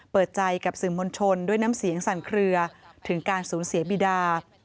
เปิดใจกับสื่อมวลชนด้วยน้ำเสียงสั่นเคลือถึงการสูญเสียบิดา